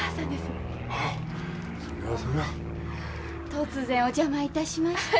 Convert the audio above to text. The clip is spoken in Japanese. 突然お邪魔いたしまして。